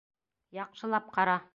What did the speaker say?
Яҡшылап ҡара!